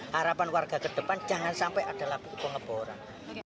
harapan warga kedepan jangan sampai ada pengeboran